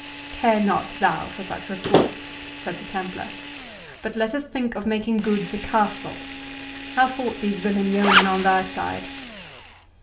"Care not thou for such reports," said the Templar; "but let us think of making good the castle.—How fought these villain yeomen on thy side?"